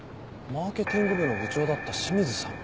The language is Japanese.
マーケティング部の部長だった清水さん。